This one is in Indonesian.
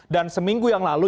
dan seminggu yang lalu